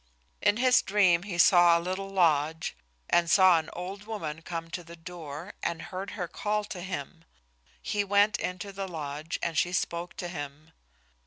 In his dream he saw a little lodge, and saw an old woman come to the door and heard her call to him. He went into the lodge, and she spoke to him.